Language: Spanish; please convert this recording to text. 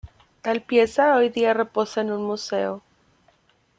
Tal pieza hoy día reposa en un museo.